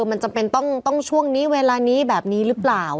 มันจำเป็นต้องช่วงนี้เวลานี้แบบนี้หรือเปล่า